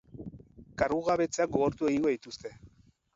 Kargugabetzeak gogortu egingo dituzte.